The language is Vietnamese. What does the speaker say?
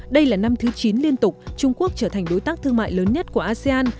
đây là năm thứ chín liên tục trung quốc trở thành đối tác thương mại lớn nhất của asean